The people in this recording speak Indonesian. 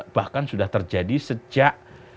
bahkan sudah terjadi sejak